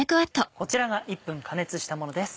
こちらが１分加熱したものです。